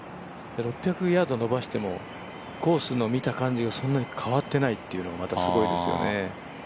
６００ヤード伸ばしても、コースの見た感じがそんなに変わってないっていうのがまたすごいですよね。